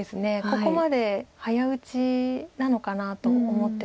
ここまで早打ちなのかなと思って見てたんですが。